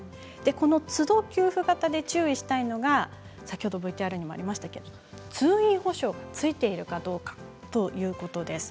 この都度給付型で注意したいのがＶＴＲにもありましたが通院保障がついているかどうかということです。